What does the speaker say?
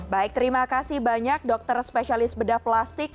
baik terima kasih banyak dokter spesialis bedah plastik